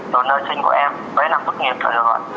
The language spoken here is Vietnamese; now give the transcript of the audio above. đồ nơi sinh của em với năng tốt nghiệp là được rồi